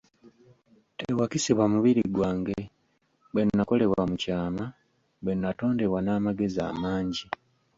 Tewakisibwa mubiri gwange, bwe nnakolebwa mu kyama, bwe nnatondebwa n'amagezi amangi.